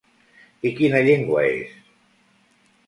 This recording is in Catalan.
I quina llengua és?